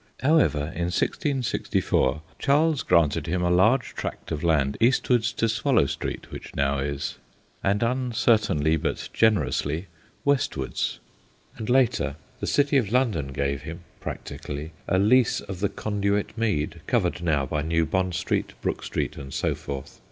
However, in 1664, Charles granted him a large tract of land eastwards to Swallow Street, which now is, and uncertainly but generously, westwards; and later, the City of London gave him (practically) a lease of the Conduit Mead, covered now by New Bond Street, Brook Street, and so forth.